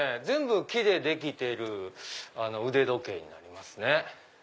全部木でできてる腕時計になりますね。